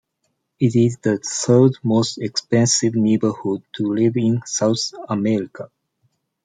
It is the third most expensive neighborhood to live in South America.